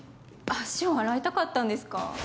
足を洗いたかったんですか？